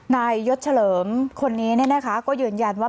ยศเฉลิมคนนี้ก็ยืนยันว่า